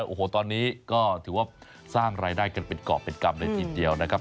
โอ้โหตอนนี้ก็ถือว่าสร้างรายได้กันเป็นกรอบเป็นกรรมเลยทีเดียวนะครับ